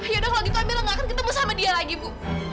yaudah kalau gitu amirah gak akan ketemu sama dia lagi ibu